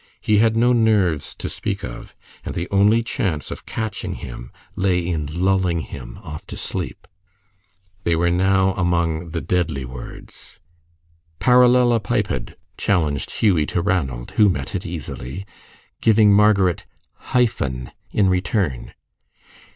He had no nerves to speak of, and the only chance of catching him lay in lulling him off to sleep. They were now among the deadly words. "Parallelopiped!" challenged Hughie to Ranald, who met it easily, giving Margaret "hyphen" in return.